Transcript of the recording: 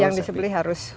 yang di sebelah harus